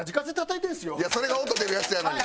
いやそれが音出るやつやのに。